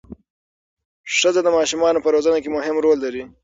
ښځه د ماشومانو په روزنه کې مهم رول لري